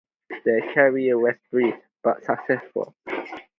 Their career was brief but successful.